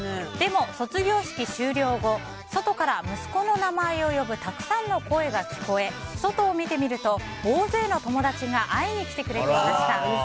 でも卒業式終了後外から息子の名前を呼ぶたくさんの声が聞こえ外を見てみると大勢の友達が会いに来てくれました。